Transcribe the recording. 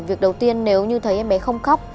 việc đầu tiên nếu như thấy em bé không khóc